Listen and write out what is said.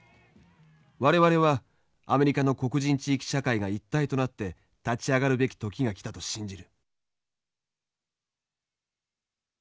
我々はアメリカの黒人地域社会が一体となって立ち上がるべき時が来たと信じる」。